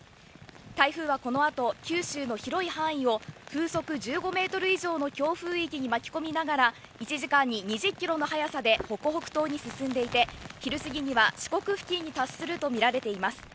台風はこのあと、九州の広い範囲を風速１５ｍ以上の強風域に巻き込みながら１時間に２０キロの速さで北北東に進んでいて昼過ぎには四国付近に達するとみられています。